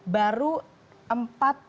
baru empat puluh km